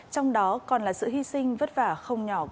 trong đó còn là sự hy sinh vất vả không nhỏ